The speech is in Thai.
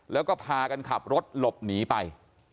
แล้วก็พากันขับรถหลบหนีไป